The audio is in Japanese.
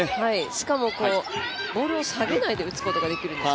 しかもボールを下げないで打つことができるんです